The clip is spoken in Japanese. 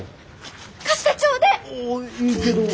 貸してちょうでえ！